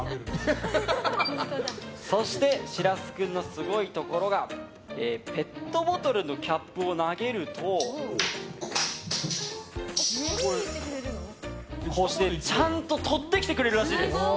そしてしらす君のすごいところがペットボトルのキャップを投げるとこうして、ちゃんと取ってきてくれるんです！